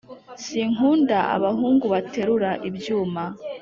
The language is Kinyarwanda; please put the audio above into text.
Sinkunda abahungu baterura ibyuma